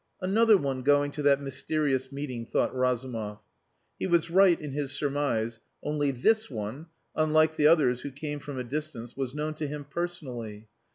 "Another one going to that mysterious meeting," thought Razumov. He was right in his surmise, only this one, unlike the others who came from a distance, was known to him personally.